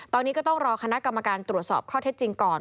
ตอนนี้ก็ต้องรอคณะกรรมการตรวจสอบข้อเท็จจริงก่อน